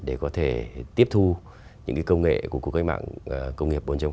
để có thể tiếp thu những cái công nghệ của cuộc cách mạng công nghiệp bốn